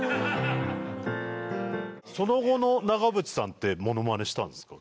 その後の長渕さんってモノマネしたんですか？